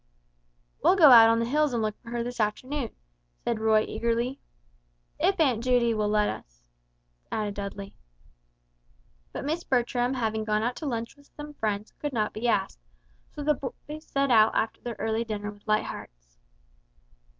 "We'll go out on the hills and look for her this afternoon," said Roy, eagerly. "If Aunt Judy will let us," added Dudley. But Miss Bertram having gone out to lunch with some friends could not be asked, so the two boys set out after their early dinner with light hearts.